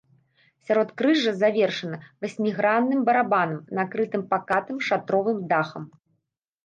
Сяродкрыжжа завершана васьмігранным барабанам, накрытым пакатым шатровым дахам.